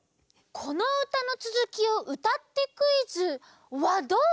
「このうたのつづきをうたってクイズ」はどうでしょう？